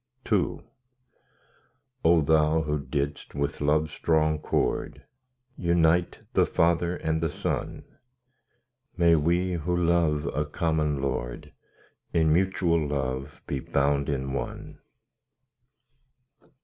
II O Thou who didst with love's strong cord Unite the Father and the Son, May we who love a common Lord, In mutual love be bound in one.